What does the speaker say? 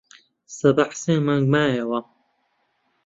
سەباح سێ مانگ مایەوە.